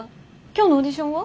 今日のオーディションは？